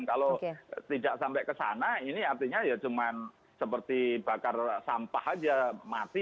kalau tidak sampai ke sana ini artinya ya cuma seperti bakar sampah aja mati